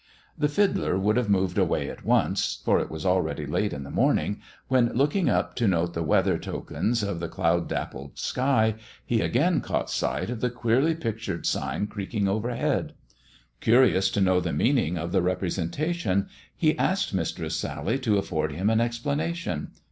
The fiddler would have moved away at once, for it was already late in the morning, when, looking up to note the weather tokens of the cloud dappled sky, he again caught sight of the queerly pictured sign creaking over head. Curious to know the meaning of the representa tion, he asked Mistress Sally to afford him an explanation.